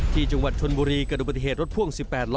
ที่จังหวัดชนบุรีเกิดอุบัติเหตุรถพ่วง๑๘ล้อ